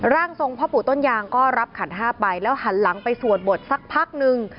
ร่างทรงพ่อปู่ต้นยางก็รับขันห้าไปแล้วหันหลังไปสวดบทสักพักนึง